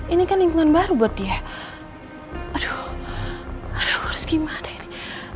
ini kan lingkungan baru buat dia aduh harus gimana ini